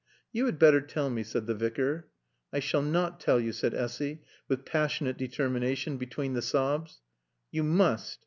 "You had better tell me," said the Vicar. "I s'all nat tall yo'," said Essy, with passionate determination, between the sobs. "You must."